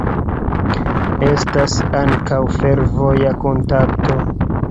Estas ankaŭ fervoja kontakto.